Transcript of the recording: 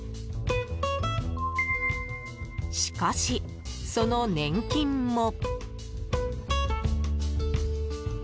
しかし、その年金も。